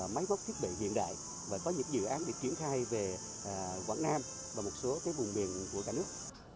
máy móc thiết bị hiện đại và có những dự án để triển khai về quảng nam và một số vùng miền của cả nước